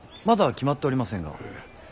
まだ決まっておりませんが。